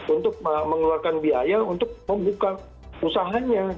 untuk mengeluarkan biaya untuk membuka usahanya